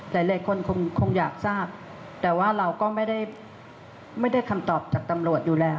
หลายคนคงอยากทราบแต่ว่าเราก็ไม่ได้คำตอบจากตำรวจอยู่แล้ว